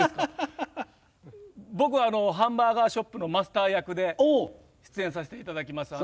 僕ハンバーガーショップのマスター役で出演させていただきます。